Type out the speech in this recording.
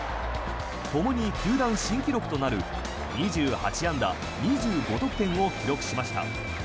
ともに球団新記録となる２８安打２５得点を記録しました。